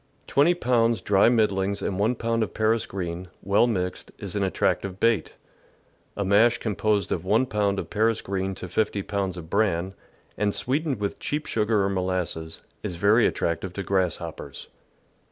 Twenty pounds dry middlings and 1 pound of Paris green, well mixed, is an attractive bait. A mash composed of 1 pound of Paris green to 50 pounds of bran, and sweetened with cheap sugar or molasses, is very attractive to grasshoppers.